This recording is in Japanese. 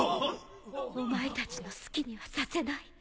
お前たちの好きにはさせない。